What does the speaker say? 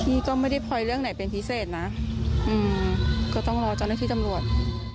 นี่ก็ไม่ได้พลอยเรื่องไหนเป็นพิเศษนะอืมก็ต้องรอเจ้าหน้าที่ตำรวจ